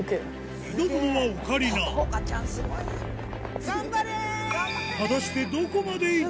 挑むのはオカリナ頑張れ！